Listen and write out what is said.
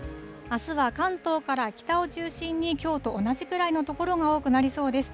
あすは関東から北を中心に、きょうと同じくらいの所が多くなりそうです。